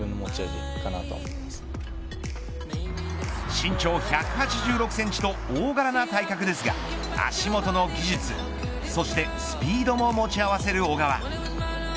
身長１８６センチと大柄な体格ですが足元の技術そしてスピードも持ち合わせる小川。